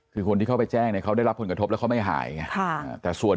คือคนที่เข้าไปแจ้งเขาได้รับผลกระทบแล้วเขาไม่หายแต่ส่วน